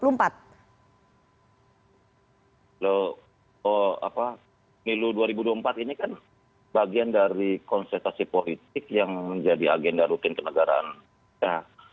pemilu dua ribu dua puluh empat ini kan bagian dari konsentrasi politik yang menjadi agenda rutin kenegaraan kita